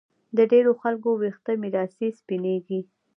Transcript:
د ډېرو خلکو ویښته میراثي سپینېږي